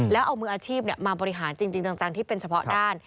แล้วเอามืออาชีพมาบริหารจริงจังที่เป็นเฉพาะด้าน